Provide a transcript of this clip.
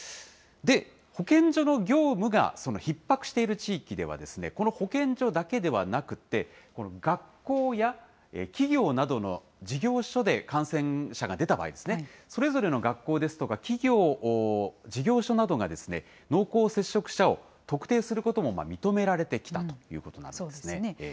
で、保健所の業務がひっ迫している地域では、この保健所だけではなくて、この学校や企業などの事業所で感染者が出た場合、それぞれの学校ですとか、企業、事業所などが濃厚接触者を特定することも認められてきたというこそうですよね。